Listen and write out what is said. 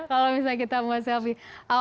kalau misalnya kita mas selfie